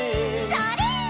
それ！